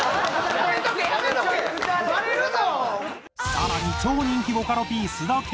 更に超人気ボカロＰ須田景